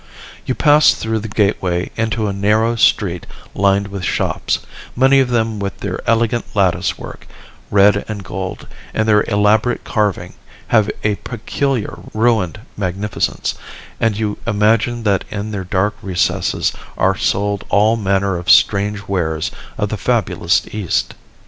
You pass through the gateway into a narrow street lined with shops: many of them with their elegant lattice work, red and gold, and their elabo rate carving, have a peculiar ruined magnificence, and you imagine that in their dark recesses are sold all manner of strange wares of the fabulous East.